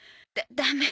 ダメ。